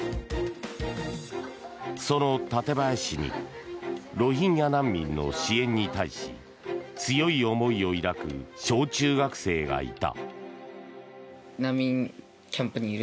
その館林市にロヒンギャ難民の支援に対し強い思いを抱く小中学生がいた。